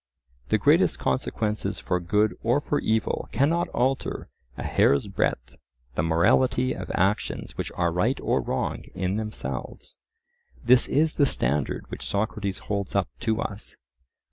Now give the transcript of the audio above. The greatest consequences for good or for evil cannot alter a hair's breadth the morality of actions which are right or wrong in themselves. This is the standard which Socrates holds up to us.